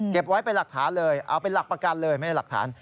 ไว้เป็นหลักฐานเลยเอาเป็นหลักประกันเลยไม่ได้หลักฐาน